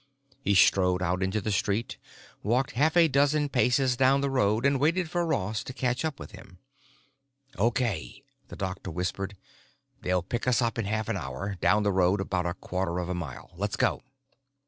He strode out into the street, walked half a dozen paces down the road, and waited for Ross to catch up with him. "Okay," the doctor whispered. "They'll pick us up in half an hour, down the road about a quarter of a mile. Let's go."